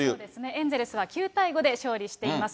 エンゼルスは９対５で勝利しています。